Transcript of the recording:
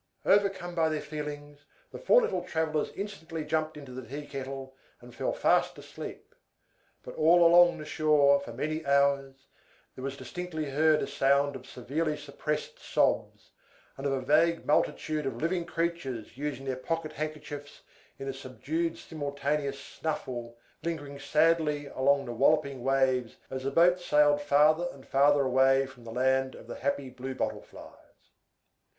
Overcome by their feelings, the four little travellers instantly jumped into the tea kettle, and fell fast asleep. But all along the shore, for many hours, there was distinctly heard a sound of severely suppressed sobs, and of a vague multitude of living creatures using their pocket handkerchiefs in a subdued simultaneous snuffle, lingering sadly along the walloping waves as the boat sailed farther and farther away from the Land of the Happy Blue Bottle Flies.